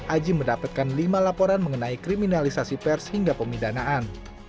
aji mendapatkan lima laporan mengenai kriminalisasi pers hingga pemidanaan